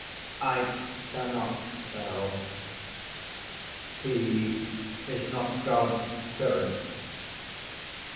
_] I cannot tell. P. Is not God spirit?